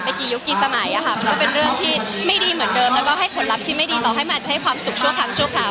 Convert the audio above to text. การที่เขาให้เกียรติมาด้วยว่าไม่ใช่แบบรวบหัวรูปห่างรวบรัดเหล่า